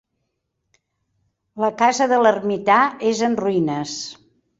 La casa de l'ermità és en ruïnes.